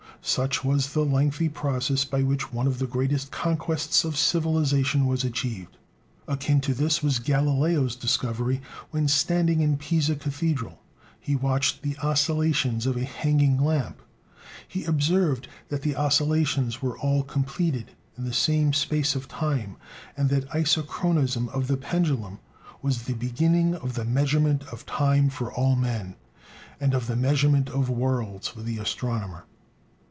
such was the lengthy process by which one of the greatest conquests of civilization was achieved. Akin to this was Galileo's discovery, when, standing in Pisa Cathedral, he watched the oscillations of a hanging lamp. He observed that the oscillations were all completed in the same space of time, and the isochronism of the pendulum was the beginning of the measurement of time for all men, and of the measurement of worlds for the astronomer.